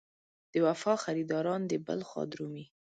د وفا خریداران دې بل خوا درومي.